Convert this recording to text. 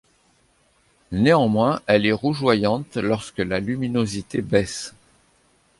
Néanmoins elle est rougeoyante lorsque la luminosité baisse.